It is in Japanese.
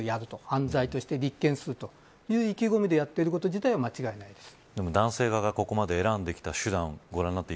犯罪として立件するという意気込みでやってること自体は間違いないです。